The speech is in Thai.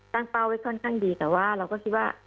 เป้าไว้ค่อนข้างดีแต่ว่าเราก็คิดว่า